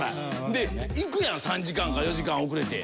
で行くやん３時間か４時間遅れて。